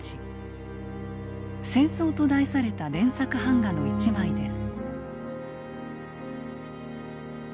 「戦争」と題された連作版画の一枚です。